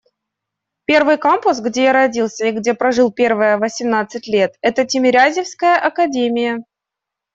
Первый кампус, где я родился и где прожил первые восемнадцать лет, — это Тимирязевская академия.